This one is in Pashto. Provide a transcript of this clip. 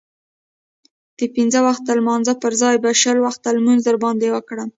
د پنځه وخته لمانځه پرځای به شل وخته لمونځ در باندې وکړم.